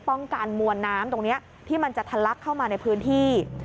กันมวลน้ำตรงนี้ที่มันจะทะลักเข้ามาในพื้นที่